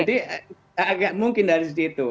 jadi agak mungkin dari situ